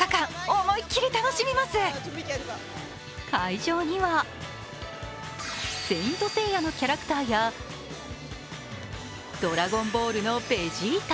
会場には、「聖闘士星矢」のキャラクターや「ドラゴンボール」のベジータ。